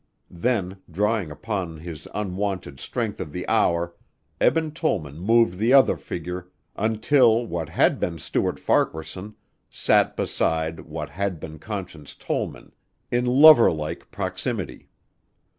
Then, drawing upon his unwonted strength of the hour, Eben Tollman moved the other figure until what had been Stuart Farquaharson sat beside what had been Conscience Tollman in lover like proximity.